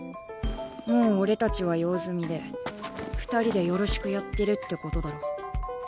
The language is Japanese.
もう俺たちは用済みで二人でよろしくやってるってことだろ。